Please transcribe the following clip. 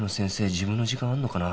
自分の時間あるのかなあ」